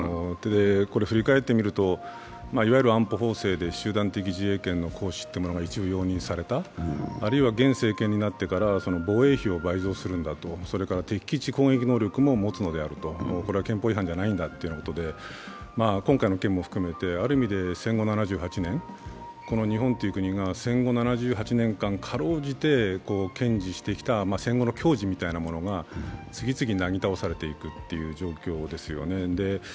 振り返ってみると、いわゆる安保法制で集団的自衛権の行使が一部容認された、あるいは現政権になってからは防衛費を倍増するんだと、それから敵基地攻撃能力も持つのであると、これは憲法違反じゃないんだということで今回の件も含めてある意味で戦後７８年、この日本という国が戦後７８年間、かろうじて堅持してきた戦後の矜持みたいなものが次々なぎ倒されていくという状況ですよね。